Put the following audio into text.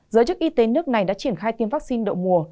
giới chức y tế nước này đã triển khai tiêm vaccine đậu mùa